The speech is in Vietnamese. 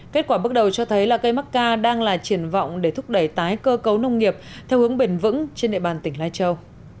kết quả bước đầu cho thấy là cây mắc ca đang là triển vọng để thúc đẩy tái cơ cấu nông nghiệp theo hướng bền vững trên địa bàn tỉnh lai châu